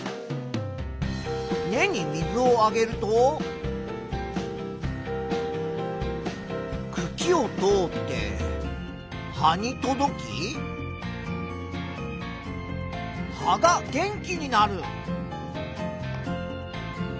根に水をあげるとくきを通って葉に届き葉が元気になる。